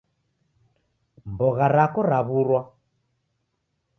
Mbogha rako raw'urwa